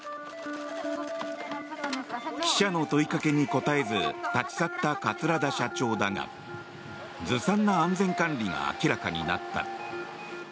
記者の問いかけに答えず立ち去った桂田社長だがずさんな安全管理が明らかになった。